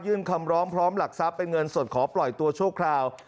คำร้องพร้อมหลักทรัพย์เป็นเงินสดขอปล่อยตัวชั่วคราว